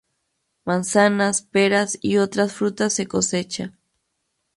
Manzanas, peras y otras frutas se cosechan.